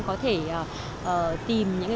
có thể tìm những